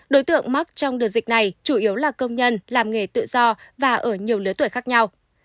đối tượng mắc trong đợt dịch này chủ yếu là công nhân làm nghề tự do và ở nhiều lứa tuổi khác nhau